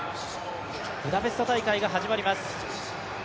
ブダペスト大会が始まります。